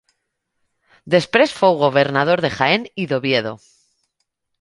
Després fou governador de Jaén i d'Oviedo.